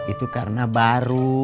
itu karena baru